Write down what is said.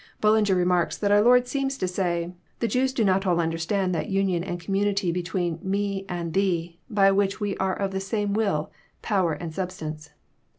Bullinger remarks that our Lord seems to say, "The Jews do not all understand that union and communion between Me and Thee, by which we are of the same will, power, and substance.